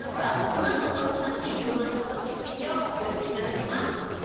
このあと野呂さんに一番刺さったスピーチを発表していただきます。